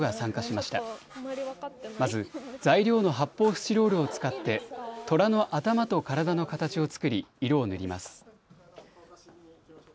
まず材料の発泡スチロールを使ってとらの頭と体の形を作り色を塗ります。